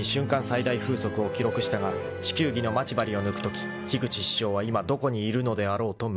最大風速を記録したが地球儀の待ち針を抜くとき樋口師匠は今どこにいるのであろうと夢想する］